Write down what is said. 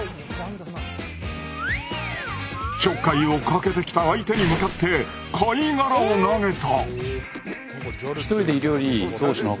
ちょっかいをかけてきた相手に向かって貝殻を投げた！